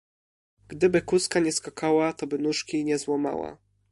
Gdyby kózka nie skakała, to by nóżki nie złamała.